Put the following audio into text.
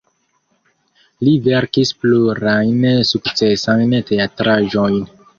Li verkis plurajn sukcesajn teatraĵojn.